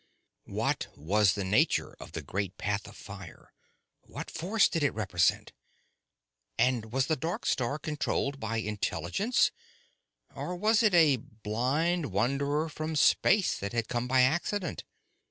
What was the nature of the great path of fire? What force did it represent? And was the dark star controlled by intelligence, or was it a blind wanderer from space that had come by accident?